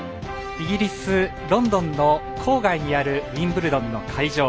イギリス・ロンドンの郊外にあるウィンブルドンの会場。